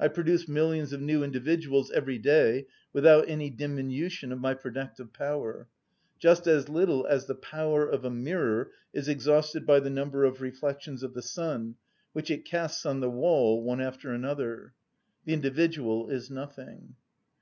I produce millions of new individuals every day, without any diminution of my productive power; just as little as the power of a mirror is exhausted by the number of reflections of the sun, which it casts on the wall one after another. The individual is nothing."